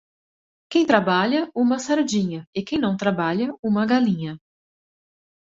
Quem trabalha, uma sardinha; e quem não trabalha, uma galinha.